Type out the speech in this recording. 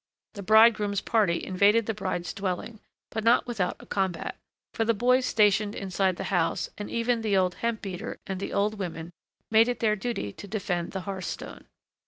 The bridegroom's party invaded the bride's dwelling, but not without a combat; for the boys stationed inside the house, and even the old hemp beater and the old women, made it their duty to defend the hearthstone.